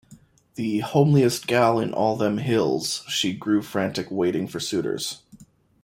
The "homeliest gal in all them hills," she grew frantic waiting for suitors.